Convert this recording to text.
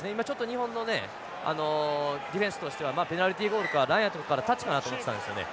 日本のディフェンスとしてはペナルティゴールかラインアウトからタッチかなと思ってたんですよね。